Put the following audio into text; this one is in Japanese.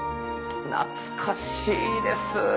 懐かしいです。